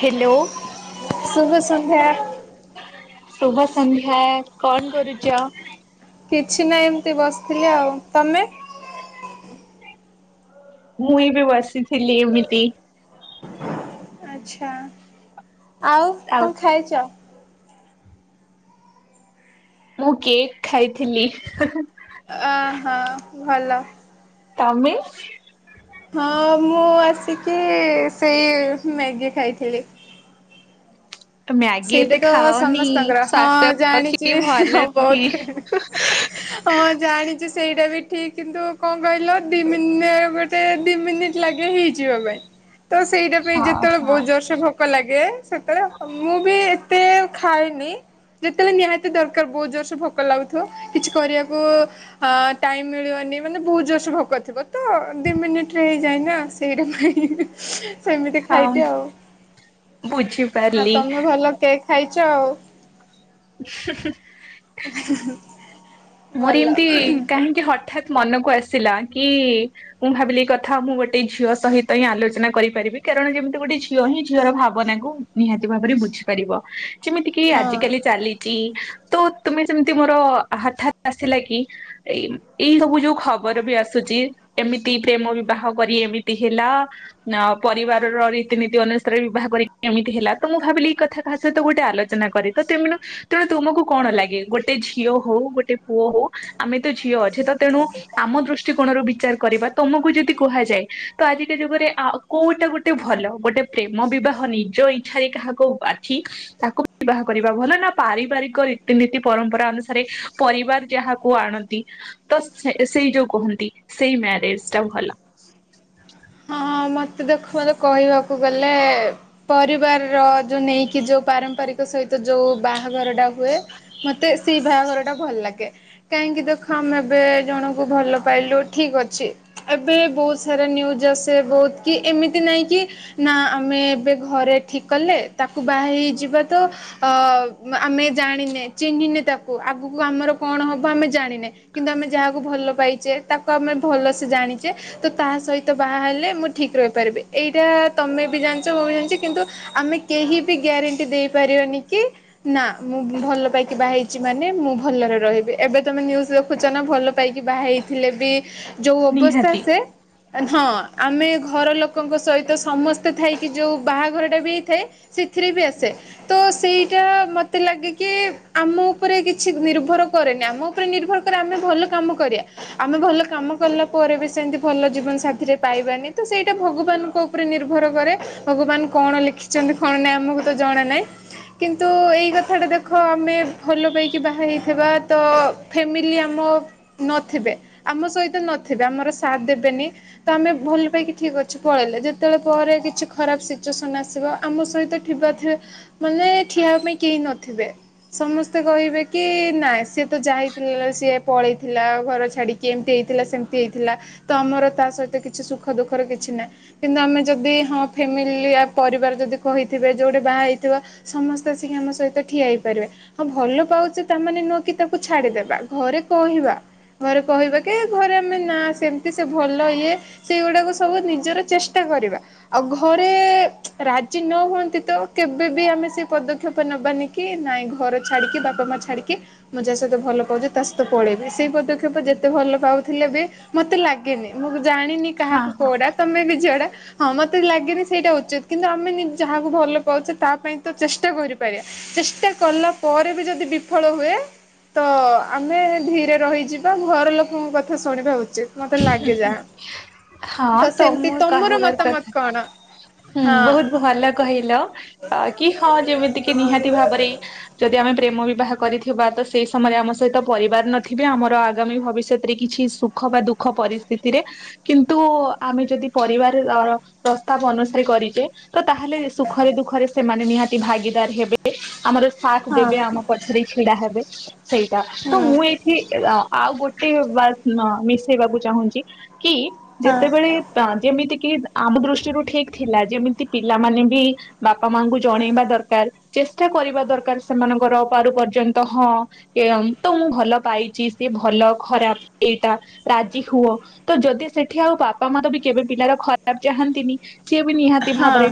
Hello. ଶୁଭ ସନ୍ଧ୍ୟା ଶୁଭ ସଂଧ୍ୟା କଣ କରୁଛ? କିଛି ନାଇ ଏମିତି ବସିଥିଲି ଆଉ ତମେ। ମୁଇଁ ବି ବସିଥିଲି ଏମିତି ଆଛା ଆଉ କଣ ଖାଇଛ? ମୁଁ କେକ୍ ଖାଇଥିଲି। ହିଁ ହିଁ ଅହଁ ଭଲ। ତମେ ହଁ ମୁଁ ଆସିକି ସେଇ ମ୍ୟାଗି ଖାଇଥିଲି। [unintelligible] ସେଇଟା ଏତେ ତ ଖାଅନି ସମସ୍ତଙ୍କର ହଁ ସ୍ୱାସ୍ଥ୍ୟ ଜାଣିଛି ପକ୍ଷେ ହିଁ ହିଁ ହଁ ଭଲ ନୁହେଁ। ବହୁତ ହିଁ ହିଁ ହିଁ ହିଁ ହଁ ଜାଣିଛି ସେଇଟା ବି ଠିକ କିନ୍ତୁ କଣ କହିଲ ଦିି ମିନି ଗୋଟେ ଗୋଟେ ଦି ମିନିଟ ଲାଗେ ହେଇଯିବା ପାଇଁ ତ ସେଇଟା ପାଇଁ ହଁ ଯେତେବେଳେ ବ ହଁ ଜୋରସେ ଭୋ ଭୋକ ଲାଗେ ସେତେବେଳେ ମୁଁ ବି ଏତେ ଖାଏନି। ଯେତେବେଳେ ନିହାତି ଦରକାର ବହୁତ ଜୋରସେ ଭୋକ ଲାଗୁଥିବ କିଛି କରିବାକୁ ହଁ ଟାଇମ ମିଳିବନି ମାନେ ବହୁତ ଜୋରସ ଭୋକ ଥିବ ତ ଦି ମିନିଟରେ ହେଇଯାଏନା ସେଇଟା ପାଇଁ ସେମିତି ଖାଇଦିଏ ଆଉ ବୁଝିବ ହଁ ତମେ ଭଲ କେକ୍ ଖାଇଛ ଆଉ। [inaudible] [inaudible] ମୋର ଏମିତି କାହିଁକି ହଠାତ୍ ମନକୁ ଆସିଲା କି ମୁଁ ଭାବିଲି ଏଇ କଥା ମୁଁ ଗୋଟେ ଝିଅ ସହିତ ହିଁ ଆଲୋଚନା କରିପାରିବି କାରଣ ଯେମିତି ଗୋଟେ ଝିଅ ହିଁ ଝିଅର ଭାବନାକୁ ନିହାତି ଭାବରେ ବୁଝିପାରିବ। ଯେମିତି କିି ହଁ। ଆଜିକାଲି ଚାଲିଛି ତ ତୁମେ ସେମିତି ମୋର ହଠାତ୍ ଆସିଲା କି? ଏଇ ଏଇ ସବୁ ଯୋଉ ଖବର ବି ଆସୁଛି। ଏମିତି ପ୍ରେମ ବିବାହ କରି ଏମିତି ହେଲା। ପରିବାରର ରୀତିନୀତି ଅନୁସାରେ ବିବାହ କରିକି କେମିତି ହେଲା ତ ମୁଁ ଭାବିଲି ଏଇ କଥା କାହା ସହିତ ଗୋଟେକାହା ସହିତ ଆଲୋଚନା କରେ। ତ ସେମାନେ ତେଣୁ ତୁମକୁ କଣ ଲାଗେ ଗୋଟେ ଝିଅ ହଉ ଗୋଟେ ପୁଅ ହଉ ଆମେ ତ ଝିଅ ଅଛେ ତ ତେଣୁ ଆମ ଦୃଷ୍ଟିକୋଣରୁ ବିଚାର କରିବା। ତମକୁ ଯଦି କୁହାଯାଏ ତ ଆଜିକା ଯୁଗରେ ଆଉ କୋଉଟା ଗୋଟେ ଭଲ ଗୋଟେ ପ୍ରେମ ବିବାହ ନିଜ ଇ ଇଚ୍ଛାରେ କାହାକୁ ବାଛି ତାକୁ ବିବାହ କରିବା ଭଲ ନା ପାରିବାରିକ ରୀତିନୀତି ପରମ୍ପରା ଅନୁସାରେ ପରିବାର ଯାହାକୁ ଆଣନ୍ତି ତ ସେ ସେଇ ଯୋଉ କୁହନ୍ତି ସେଇ ମ୍ୟାରେଜଟା ଭଲ। ହଁଁ ମତେ ଦେଖ ମତେ କହିବାକୁ ଗଲେ ପରିବାରର ଯୋଉ ନେଇକି ଯୋଉ ପାରମ୍ପରିକ ସହିତ ଯୋଉ ବାହାଘରଟା ହୁଏ। ମତେ ସେଇ ବାହାଘରଟା ଭଲ ଲାଗେ। କାହିଁକି ଦୁଃଖ ନେବେ ଜଣଙ୍କୁ ଭଲ ପାଇଲୁ ଠିକ ଅଛି। ଏବେ ବହୁତ ସାରା ନ୍ୟୁଜ ଆସେ ବହୁତ କି ଏମିତି ନାଇଁ କି? ନା ଆମେ ଏବେ ଘରେ ଠିକ କଲେ ତାକୁ ବାହା ହେଇଯିବା ତ ଅ ଆମେ ଜାଣିନେ ଚିହ୍ନିନେ ତାକୁ ଆଗକୁ ଆମର କଣ ହବ ଆମେ ଜାଣିନେ। କିନ୍ତୁ ଆମେ ଯାହାକୁ ଭଲ ପାଇଛେ ତାକୁ ଆମେ ଭଲସେ ଜାଣିଛେ ତ ତାହା ସହିତ ବାହା ହେଲେ ମୁଁ ଠିକ୍ ରହିପାରିବି ଏଇଟା ତମେ ବି ଜାଣିଛ ମୁଁ ବି ଜାଣିଛି କିନ୍ତୁ ଆମେ କେହି ବି ଗ୍ୟାରେଣ୍ଟି ଦେଇପାରିବାନି କି ନା ମୁଁ ଭଲ ପାଇକି ବାହା ହେଇଛି ମାନେ ମୁଁ ଭଲରେ ରହିବି ଏବେ ତମେ ନ୍ୟୁଜ ଦେଖୁଛ ନା ଭଲ ଭଲ ପାଇକି ବାହା ହେଇଥିଲେ ବି ଯୋଉ ଅବସ୍ଥା ନିହାତି। ସେ ହଁ, ଆମେ ଘର ଲୋକଙ୍କ ସହିତ ସମସ୍ତେ ଥାଇକି ଯେଉଁ ବାହାଘରଟା ବି ହେଇଥାଏ ସେଥିରେ ବି ଆସେ। ତ ସେଇଟା ମତେ ଲାଗେ କି ଆମ ଉପରେ କିଛି ନିର୍ଭର କରେନି ଆମ ଉପରେ ନିର୍ଭର କ ଆମେ ଭଲ କାମ କରିବା ଆମେ ଭଲ କାମ କଲା ପରେ ବି ସେମତି ଭଲ ଜୀବନ ସାଥିରେ ପାଇବାନି ତ ସେଇଟା ଭଗବାନଙ୍କ ଉପରେ ନିର୍ଭର କରେ ଭଗବାନ କଣ ଲେଖି ଛନ୍ତି କଣ ନାଇଁ ଆମକୁ ତ ଜଣା ନାହିଁ କିନ୍ତୁ ଏଇ କଥାଟା ଦେଖ ଆମେ ଭଲ ପାଇକି ବାହା ହେଇଥିବା ତ ଫ୍ୟାମିଲି ଆମ ନଥିବେ ଆମ ସହିତ ନଥିବେ ଆମର ସାଥ ଦେବେନି ତ ଆମେ ଭଲ ପାଇକି ଠିକ୍ ଅଛୁ ପଳେଇଲେ ଯେତେବେଳେ ପରେ କିଛି ଖରାପ ସିଚୁଏସନ ଆସିବ ଆମ ସହିତ ଥିବା ମାନେ ଠିଆବା ପାଇଁ କେହି ନଥିବେ। ସମସ୍ତେ କହିବେ କି ନାଇଁ ସିଏ ତ ଯାଇଥିଲା ସିଏ ପଳେଇଥିଲା ଆଉ ଘର ଛାଡିକି। କି ଏମିତି ହେଇଥିଲା ସେମିତି ହେଇଥିଲା ତ ଆମର ତା ସହିତ କିଛି ସୁଖ ଦୁଃଖର କିଛି ନାହିଁ। କିନ୍ତୁ ଆମେ ଯଦି ହଁ ଫ୍ୟାମିଲି ଆ ପରିବାର ଯଦି କହିଥିବେ ଯୋଉଠି ବାହା ହେଇଥିବ ସମସ୍ତେ ଆସିକି ଆମ ସହିତ ଠିଆ ହେଇପାରିବେ। ହଁ ଭଲ ପାଉଛେ ତାମାନେେ ନୁହକି ତାକୁ ଛାଡିଦବା ଘରେ କହିବା। ଘରେ କହିବା କେ ଘରେ ଆମେ ନା ସେମତି ସେ ଭଲ ଇଏ। ସେଇଗୁଡାକୁ ସବୁ ନିଜର ଚେଷ୍ଟା କରିବା। ଆଉ ଘରେ ରାଜି ନ ହୁଅନ୍ତି ତ କେବେ ବି ଆମେ ସେ ପଦକ୍ଷେପ ନବାନି। କି ନାଇଁ ଘର ଛାଡିକି ବାପା ମା ଛାଡିକେ ମୁଁ ଯାହା ସହିତ ଭଲ ପାଉଛି ତା ସହିତ ପଳେଇବି ସେଇ ପଦକ୍ଷେପ ଯେତେ ଭଲ ପାଉଥିଲେ ବି ମତେ ଲାଗେନି ମୁଁ ଜାଣିନି ହଁ କାହାକୁ ହଁ କୋଉଡା ତମେ ବି ଝଅଆଡା ହଁ ମତେ ଲାଗେନି ସେଇଟା ଉଚିତ, କିନ୍ତୁ ଆମେ ଯାହାକୁ ଭଲ ପାଉଛେ ତା ପାଇଁ ତ ଚେଷ୍ଟା କରିପାରିବା। ଚେଷ୍ଟା କଲା ପରେ ବି ଯଦି ବିଫଳ ହୁଏ। ତ ଆମେ ଧୀରେ ରହିଯିବା ଘର ଲୋକଙ୍କ କଥା ଶୁଣିବା ଉଚିତ ମତେ ଲାଗେ ଯାହା। ହଁ ତ ସେମିତି ତମଁ ତମର କହିବାର ମତାମତ କଥା କଣ? ହୁଁ ହଁ ବହୁତ ଭଲ କହିଲ କି ହଁ ଯେମିତିକ ନିହାତି ଭାବରେ ଯଦି ଆମେ ପ୍ରେମ ବିବାହ କରିଥିବା ତ ସେଇ ସମୟରେ ଆମ ସହିତ ପରିବାର ନଥିବେ ଆମର ଆଗାମୀ ଭବିଷ୍ୟତରେ କିଛି ଦଖ ବା ଦୁଃଖ ପରିସ୍ଥିରେ କିନ୍ତୁ ଆମେ ଯଦି ପରିବାର ପ୍ରସ୍ତାବ ଅନ କରିଛେ ତ ତାହେଲେ ସୁଖରେ ଦୁଃଖରେ ସେମାନେ ନିହାତି ଭାଗିଦାର ହେବେ ଆମର। ସାଥ ହଁ ଦେବେ ଆମ ପଛରେ ଛିଡା ହେବେ ସେଇଟା ତ ହୁଁ ମୁଁ ଏଇଠି ଆଉ ଗୋଟେ ବା ମିଶେଇବାକୁ ଚାହୁଁଛି କି ହଁ ଯେତେବେଳେ ତ ଯେମିତି କି ଆମ ଦୃଷ୍ଟିରୁ ଠିକ ଥିଲା ଯେମିତି ପିଲାମାନେ ବି ବାପା ମାଙ୍କୁ ଜଣେଇବା ଦରକାର ଚେଷ୍ଟା କରିବା ଦରକାର ସେମାନଙ୍କର ପାରୁ ପର୍ଯ୍ୟନ୍ତ ହଁ। ତ ମୁଁ ଭଲ ପାଇଛି ସେ ଭଲ ଖରାପ ଏଇଟା। ରାଜି ହୁଅ ତ ଯଦି ସେଠି ଆଉ ବାପା ମା ତ ବି କେବେ ପିଲାର ଖରାପ ଚାହାନ୍ତିନି। ସିଏ ବି ନିହାତି ହଁ ଭାବରେ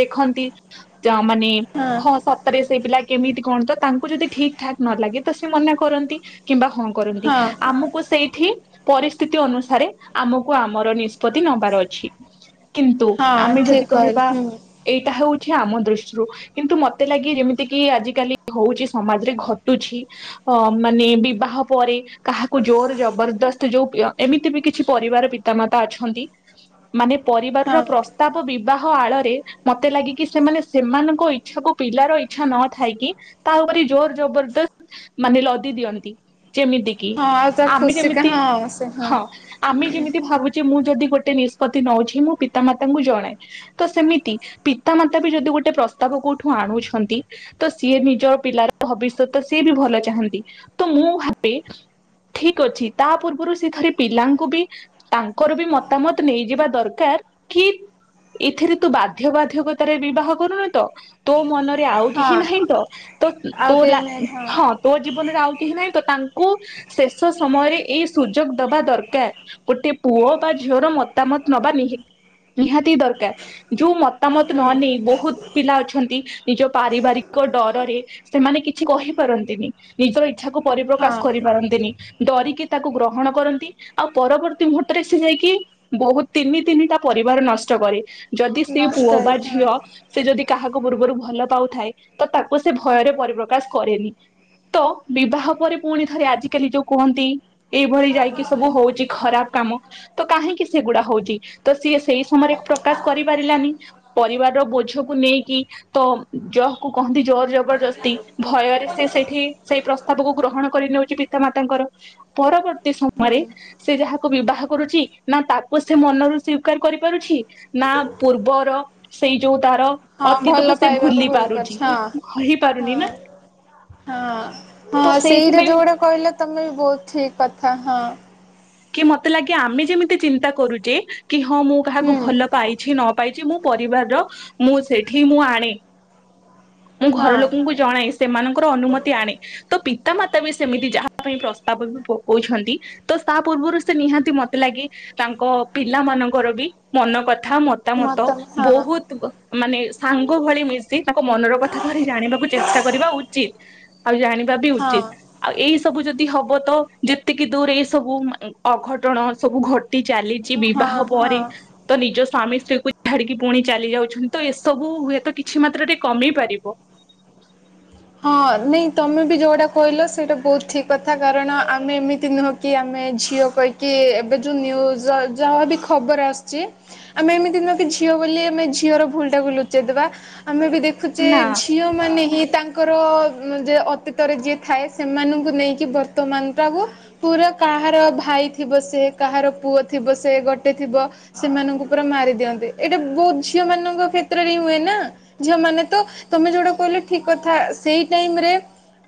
ଦେଖନ୍ତି ମାନେ ହଁ ରେ ସେ ପିଲା କେମିତି କଣ ତ ତାଙ୍କୁ ଯଦି ଠିକ୍ ଠାକ୍ ନ ଲାଗେ ତ ସେ ମନା କରନ୍ତି କିମ୍ବା ହୁ କରନ୍ତି ହଁ ଆମକୁ ସେଇଠି ପରିସ୍ଥିତି ଅନୁସାରେ ଆମକୁ ଆମର ନିଷ୍ପତ୍ତି ନେବାର ଅଛି କିନ୍ତୁ ହଁ ଆମେ ଠିକ ଯଦି କହିଲ କହିବା ହୁଁ ଏଇଟା ହଉଛି ଆମ ଦୃଷ୍ଟିରୁ କିନ୍ତୁ ମତେ ଲାଗେ ଯେମିତି କିି ଆଜି କାଲି ହଉଛି ସମାଜରେ ଘଟୁଛି। ଅ ମାନେ ବିବାହ ପରେ କାହାକୁ ଜୋର ଜବରଦସ୍ତ ଯୋଉ ଏମିତି ବି କିଛି ପରିବାର ପିତାମାତା ଅଛନ୍ତି। ମାନେ ହଁ ପରିବାରର ପ୍ର ତାପ ବିବାହ ଆଳରେ ମତେ ଲାଗିକି ସେମାନେ ସେମାନଙ୍କ ଇଚ୍ଛାକୁ ପିଲାର ଇଚ୍ଛା ନଥାଇକି ତା ଉପରେ ଜୋର ଜବରଦସ୍ତ ମାନେ ଲଦି ଦିଅନ୍ତି ଯେମିତି ତି ହଁ ଆଉ ତା ଆମେ ଖୁସି କା ଯେମିତି ହଁ ସେ ହଁ ଆମେ ଯେମିତି ଭାବୁ ଯେ ମୁଁ ଯଦି ଗୋଟେ ନିଷ୍ପତ୍ତି ନଉଛି ମୁଁ ପିତାମାତାଙ୍କୁ ଜଣାଏ। ତ ସେମିତି ପିତାମାତା ବି ଯଦି ଗୋଟେ ପ୍ରସ୍ତାବ କୋଉଠୁ ଆଣୁଛନ୍ତି ତ ସିଏ ନିଜ ପିଲାର ଭବିଷ୍ୟତ ସିଏ ବି ଭଲ ଚାହାନ୍ତି ତ ମୁଁ ଭାବେ ଠିକ ଅଛି ତା ପୂର୍ବରୁ ସେ ଥରେ ପିଲାଙ୍କୁ ବି ତାଙ୍କର ବି ମତାମତ ନେଇଯିବା ଦରକାର। କି ଏଥିରେ ତୁ ବାଧ୍ୟ ବାଧ୍ୟକତାରେ ବିବାହ କରୁନ ତ। ତୋ ମନରେ ଆଉ କିଛି ହଁ ନାହିଁ ତ ତ ଆଉ ତୋ କେହି ନାହିଁ ହଁ ତୋ ଜୀବନରେ ଆଉ କେହି ନାହିଁ ତ ତାଙ୍କୁ ଶେଷ ସମୟରେ ଏଇ ସୁଯୋଗ ଦବା ଦରକାର। ଗୋଟେ ପୁଅ ବା ଝିଅର ମତାମତ ନବା ନିହିତି। ନିହାତି ଦରକାର ଯୋଉ ମତାମତ ନ ହୁଁ ନେଇ ବହୁତ ପିଲା ଅଛନ୍ତି ନିଜ ପାରିବାରିକ ଡରରେ ସେମାନେ କିଛି କହିପାରନ୍ତିନି ନିଜ ଇଚ୍ଛା କୁ ପରିପ୍ରକାଶ ହଁ କରିପାରନ୍ତିନି। ଡରିକି ତାକୁ ଗ୍ରହଣ କରନ୍ତି ଆଉ ପରବର୍ତ୍ତୀ ମୁହୂର୍ତ୍ତରେ ସେ ଯାଇକି ବହୁତ ତିନି ତିନିଟା ପରିବାର ନଷ୍ଟ କରେ ଯଦି ସେଇ ନଷ୍ଟ ପୁଅ ବା ହଁ ଝିଅ ସେ ଯଦି କାହାକୁ ପୂର୍ବରୁ ଭଲ ପାଉଥାଏ ତ ତାକୁ ସେ ଭୟରେ ପରିପ୍ରକାଶ କରେନି। ତ ବିବାହ ପରେ ପୁଣି ଥରେ ଆଜିକାଲି ଯୋଉ କୁହନ୍ତି ଏଇଭଳି ଯାଇକି ସବୁ ହଉଛି ଖରାପ କାମ ତ କାହିଁକି ସେଗୁଡା ହଉଛି ତ ସିଏ ସେଇ ସମୟରେ ପ୍ରକାଶ କରିପାରିଲାନି। ପରିବାରର ବୋଝକୁ ନେଇକି ତ ଜକୁୁ କହନ୍ତି ଜ ଜବରଦସ୍ତି ଭୟରେ ସେ ସେଇଠି ସେଇ ପ୍ରସ୍ତାବକୁ ଗ୍ରହଣ କରିନେଉଛି ପିତା ମାତାଙ୍କର ପରବର୍ତ୍ତୀ ସମୟରେ ହୁଁ ସେ ଯାହାକୁ ବିବାହ କରୁଛି ନା ତାକୁ ସେ ମନରୁ ସ୍ଵିକାର କରିପାରୁଛି ନା ପୂର୍ବର ସେଇ ଯୋଉ ତାର ହଁ ଭଲ ଅତୀତକୁ ସେ ପାଇବାକୁ ଭୁଲି ଭୁଲ ପାରୁଛି। କରିଛି ହଁ କହି ପାରୁନି ନା। ହଁ ହଁ ହଁ ତ ସେଇଟା ସେଇଥିପାଇଁ ଯୋଉଗୁଡା କହିଲା ତମେ ବି ବହୁତ ଠିକ କଥା ହଁ। କି ମତେ ଲାଗେ ଆମେ ଯେମିତି ଚିନ୍ତା କରୁଛେ କି ହଁ ମୁଁ ହୁଁ କାହାକୁ ଭଲ ପାଇଛି ନ ପାଇଛି ମୁଁ ପରିବାରର ମୁଁ ସେଠି ମୁଁ ଆଣେ। ମୁଁ ଘର ଲୋକଙ୍କୁ ହଁ ଜଣାଇ ସେମାନଙ୍କର ଅନୁମତି ଆଣେ। ତ ପିତାମାତା ବି ସେମିତି ଯାହା ପାଇଁ ପ୍ରସ୍ତାବ ବି ପକଉଛନ୍ତି ତ ତା ପୂର୍ବରୁ ସେ ନିହାତି ମତେ ଲାଗେ ତାଙ୍କ ପିଲା ମାନଙ୍କର ବି ମନ କଥା ମ ମତାମତ ମତ ହଁ ବହୁତ ମାନେ ସାଙ୍ଗ ଭଳି ମିଶି ତାଙ୍କ ମନର କଥା ଥରେ ଜାଣିବାକୁ ଚେଷ୍ଟା କରିବା ଉଚିତ ଆଉ ଜାଣିବା ବି ହଁ ଉଚିତ। ଆଉ ଏଇ ସବୁ ଯଦି ହବ ତ ଯେତିକି ଦୂର ଏଇ ସବୁ ଅଘଟଣ ସବୁ ଘ ଟି ଚାଲିଛି ବିବାହ ହଁ ପରେ ହଁ। ତ ନିଜ ସ୍ୱାମୀ ସ୍ତ୍ରୀ କୁ ଛାଡିକି ପୁଣି ଚାଲି ଯାଉଛନ୍ତି ତ ଏସବୁ ହୁଏତ କିଛି ମାତ୍ରରେ କମେଇ ପାରିବ। ବ ହଁ ନାଇଁ ତମେ ବି ଯଉଟା କହିଲ ସେଇଟା ବହୁତ ଠିକ କଥା କାରଣ ଆମେ ଏମିତି ନୁହ କି ଆମେ ଝିଅ କହିକି ଏବେ ଯୋଉ ନ୍ୟୁଜ ଯାହାବି ଖବର ଆସିଛି ଆମେ ଏମିତି ନୂଅ ଝିଅ ବୋଲି ଆମେ ଝିଅର ଭୁଲ ଟାକୁ ଲୁଚେଇଦବା ଆମେ ବି ଦେଖ ଦେଖୁଛେ ନା ଝିଅ ମାନେ ହିଁ ତାଙ୍କ ତାଙ୍କର ଯେ ଅତୀତରେ ଯିଏ ଥାଏ ସେମାନଙ୍କୁ ନେଇକି ବର୍ତ୍ତମାନ ଟାକୁ ପୁରା କାହାର ଭାଇ ଥିବ ସେ କାହାର ପୁଅ ଥିବ ସେ ଗୋଟେ ଥିବ ସେମାନଙ୍କୁ ପୁରା ମାରି ଦିଅନ୍ତି ଏଇଟା ବହୁତ ଝିଅ ମାନଙ୍କ କ୍ଷେତ୍ରରେ ହିଁ ହୁଏ ନା। ଝିଅ ମାନେ ତ ତମେ ଯୋଉଟା କହିଲ ଠିକ କଥା ସେଇ ଟାଇମ ରେ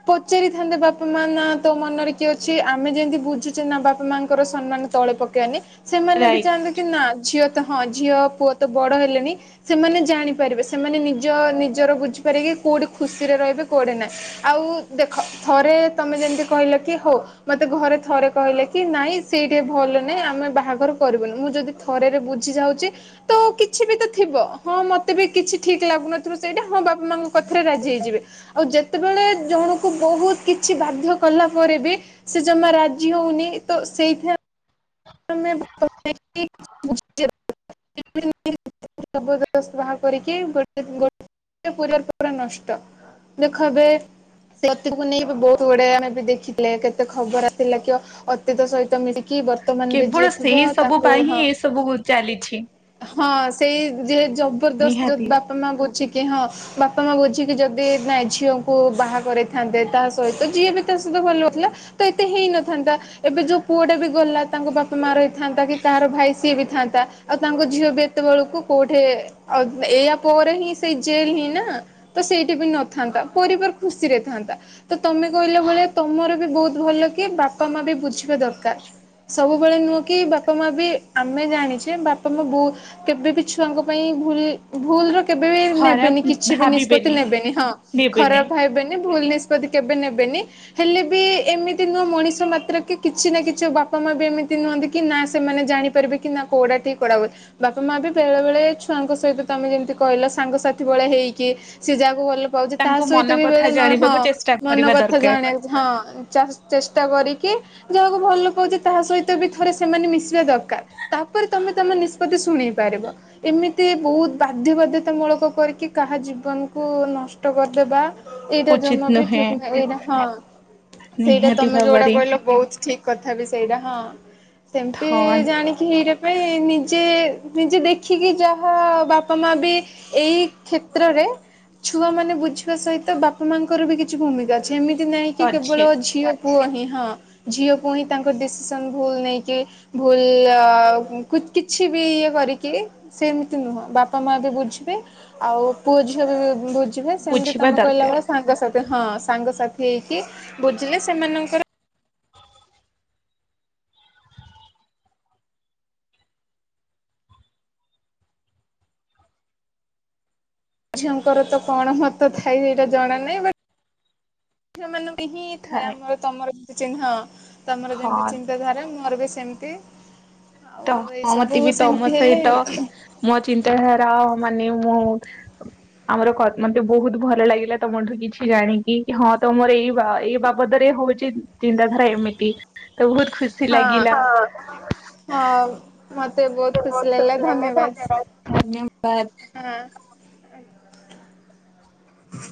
ପଚାରିଥାନ୍ତେ ବାପା ମା ନା ତୋ ମନରେ କିଏ ଅଛି ଆମେ ଯେମତି ବୁଝୁଛେ ନା ବାପା ମାଙ୍କର ସମ୍ମାନ। ତଳେ ପକେଇବନି ସେମାନେ ବି ରାଇଟ୍ ଚାହାନ୍ତିେ କି ନା ଝିଅ ତ ହଁ ଝିଅ ପୁଅ ତ ବଡ ହେଲେଣି। ସେମାନେ ଜାଣିପାରିବେ ସେମାନେ ନିଜ ନିଜର ବୁଝିପାରିବେ କି କୋଉଠି ଖୁସିରେ ରହିବେ କୋଉଠି ନାହିଁ। ଆଉ ଦେଖ ଥରେ ତମେ ଯେମିତି କହିଲ କି ହଉ। ମତେ ଘରେ ଥରେ କହିଲେ କି ନାଇଁ ସେଇଠେ ଭଲ ନାଇଁ ଆମେ ବାହାଘର କରିବୁନୁ ମୁଁ ଯଦି ଥରେରେ ବୁଝି ଯାଉଛି। ତ କିଛି ବି ତ ଥିବ ହଁ ମତେ ବି କିଛି ଠିକ ଲାଗୁନଥିବ ସେଇଟା ହଁ ବାପା ମାଙ୍କ କଥାରେ ରାଜି ହେଇଯିବେ ଆଉ ଯେତେବେଳେ ଜଣକୁ ବହୁତ କିଛି ବାଧ୍ୟ କଲା ପରେ ବି ସେ ଜମା ରାଜି ହଉନି ତ ସେଇଥି [inaudible] ଜବସ୍ତ ବାହା କରିକି ଗୋଟେ ଗୋଟେ ପରିବାର ପୁରା ନଷ୍ଟ। ଦେଖ ଏବେ ସେ ଅତିକୁ ନେଇ ବହୁତ ଗୁଡେ ଆମେ ବି ଦେଖିଲେ କେତେ ଖବର ଆସିଲା କି ଅ ଅତୀତ ସହିତ ମିଳିକି ବର୍ତ୍ତମାନରେ କେବଳ ଯିଏ ଥିବ ସେଇ ସବୁ ତାକୁ ପାଇଁ ହିଁ ହଁ। ଏ ସବୁ ଚାଲିଛି ହଁ ସେଇ ଯେ ଜବରଦସ୍ତ ନିହାତି। ଯଦି ବାପା ମା ବୁଝିକି ହଁ। ବାପା ମା ବୁଝିକି ଯଦି ନାଇ ଝିଅଙ୍କୁ ବାହା କରଇଥାନ୍ତେ ତା ସହିତ ଝିଏ ବି ତା ସହିତ ଭଲଥିଲା। ତ ଏତେ ହେଇନଥାନ୍ତା ଏବେ ଯୋଉ ପୁଅଟା ବି ଗଲା। ତାଙ୍କ ବାପା ମା ରହିଥାନ୍ତା କି କାହାର ଭାଇ ସିଏ ବି ଥାନ୍ତା ଆଉ ତାଙ୍କ ଝିଅ ବି ଏତେବେଳକୁ କୋଉଠି। ଆଉ ଏଇଆ ପରେ ହିଁ ସେଇ ଜେଲ ହିଁ ନା। ତ ସେଇଠି ବି ନଥାନ୍ତା ପରିବାର ଖୁସିରେ ଥାନ୍ତା। ତ ତମେ କହିଲା ଭଳିଆ ତମର ବି ବହୁତ ଭଲ କି ବାପା ମା ବି ବୁଝିବା ଦରକାର। ସବୁବେଳେ ନୁହେଁ କି ବାପା ମା ବି ଆମେ ଜାଣିଛେ ବାପା ମା ବୋ କେବେ ବିି ଛୁଆଙ୍କ ପାଇଁ ଭୁଲ ଭୁଲର କେବେ ବି ନେବେନି ଖରାପ କିଛି ବି ନିଷ୍ପତି ଭାବିବେନି ନେବେନି ହଁ ନେବେନି। ଖରାପ ଭାବବେନି ଭୁଲ ନି କେବେ ନେବେନି ହେଲେ ବି ଏମିତି ନହଁ ମଣିଷ ମାତ୍ର କି କିଛି ନା କିଛି ବାପ ବାପା ମା ବି ଏମିତି ନୁହନ୍ତି କି ନା ସେମାନେ ଜାଣିପାରିବେ କି ନା କଉଟା ଠିକ୍ କୋଉଟା ଭୁଲ। ବାପା ମା ବି ବେଳେ ବେଳେ ଛୁଆଙ୍କ ସହିତ ତମେ ଯେମିତି କହିଲ ସାଙ୍ଗସାଥି ଭଳିଆ ହେଇକି। ସେି ଯାହାକୁ ଭଲ ପାଉଛି ତା ତାଙ୍କ ସହିତ ମନ ବି କଥା ବେଳେ ନ ହଁ ଜାଣିବାକୁ ଚେଷ୍ଟା ମନ କରିବା କଥା ଦରକାର ଜାଣ। ହଁ ଚା ଚେଷ୍ଟା କରିକି ଯାହାକୁ ଭଲ ପାଉଛି। ତାହା ସହିତ ବି ଥରେ ସେମାନେ ମିଶିବା ଦରକାର ତାପରେ ତମେ ତମ ନିଷ୍ପତି ଶୁଣେଇ ପାରିବ। ଏମିତି ବହୁତ ବାଧ୍ୟ ବାଧ୍ୟତାମୂଳକ କରିକି କାହା ଜୀବନକୁ ନଷ୍ଟ କରିଦେବା। ଏଇଟା ଜମା ଉଚିତ ବି ନୁହେଁ। ଠିକ ନୁହଁ ଏଇଟା ହଁ ସେଇଟା ନିହାତି ତମେ ଯୋଉଟା ଭାବରେ କହିଲ ବହୁତ ଠିକ। କଥା ବି ସେଇଟା ହଁ ସେମିତି ଥନ୍ ଜାଣି ହେଇଟା ପାଇଁ ନିଜେ ନିଜେ ଦେଖିକି ଯାହା ବାପା ମା ବି ଏଇ କ୍ଷେତ୍ରରେ ଛୁଆ ମାନେ ବୁଝିବା ସହିତ ବାପା ମାଙ୍କର କି ଛି ଭୂମିକା ଅଛି ଏମିତି ନାଇଁ କି ଅଛି କେବଳ ଝିଅ ପୁଅ ହିଁ ହଁ ଝିଅ ପୁ ହି ତାଙ୍କ ଡିସିସନ ଭୁଲ ନେଇକି ଭୁଲ କିଛି ବି ଇଏ କରିକି ସେମିତି ନୁହଁ ବାପା ମା ବି ବୁଝିବେ ଆଉ ପୁଅ ଝିଅ ବି ବୁଝ ସେମିତି ବୁଝିବା ତମେ କହିଲା ଦରକାର ଭଳି ସାଙ୍ଗସାଥି ହଁ ସାଙ୍ଗସାଥି ହେଇକି ବୁଝିଲେ ସେମାନଙ୍କର ଝିଅଙ୍କର ତ କଣ ମତ ଥାଏ ସେଇଟା ଜଣା ନାହିଁ ବ ମାନଙ୍କୁ ହିଁ ଥାଏ ଆମର ତମର ଯେମତି ଚିହ୍ନ ହଁ ତମର ଯେମିତି ହଁ ଚିନ୍ତାଧାରା ମୋର ବି ସେମିତି। ଆଉ ତ ଏଇ ହଁ ସବୁ ମତେ ବି ତମ ସେମିତି ହେଲେ ସହିତ ମୋ ଚିନ୍ତାଧାରା ମାନେ ମୁଁ ଆମର [unintelligible] ମତେ ବହୁତ ଭଲ ଲାଗିଲା ତମଠୁ କିଛି ଜାଣିକି ହଁ ତମର ଏଇ ବା ଏଇ ବାପା- ଦରେ ହଉଛି ଚିନ୍ତାଧାରା ଏମିତି ତ ବହୁତ ଖୁସି ହଁ ହ ମତେ ବହୁତ ଖୁସି ଲାଗିଲା ଧନ୍ୟବାଦ ହଁ।